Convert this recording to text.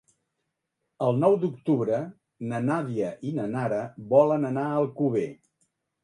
El nou d'octubre na Nàdia i na Nara volen anar a Alcover.